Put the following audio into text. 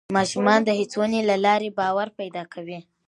ماشومان د هڅونې له لارې باور پیدا کوي